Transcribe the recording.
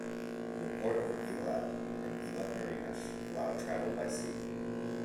The Port of Eilat and Eilat Marina allow travel by sea.